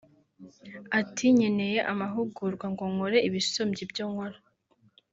Ati “Nkeneye amahugurwa ngo nkore ibisumbye ibyo nkora